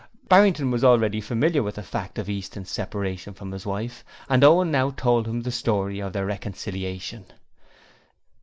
Barrington was already familiar with the fact of Easton's separation from his wife, and Owen now told him the Story of their reconciliation.